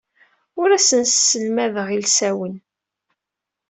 Ur asen-sselmadeɣ ilsawen.